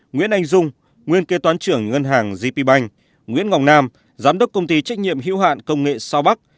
nguyễn anh dung nguyên kế toán trưởng ngân hàng gp bank nguyễn ngọc nam giám đốc công ty trách nhiệm hữu hạn công nghệ sao bắc